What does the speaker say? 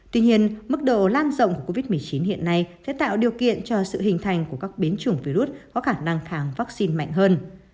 tuy nhiên mức độ lan rộng của covid một mươi chín hiện nay sẽ tạo điều kiện cho sự hình thành của các biến chủng virus có khả năng kháng vaccine mạnh hơn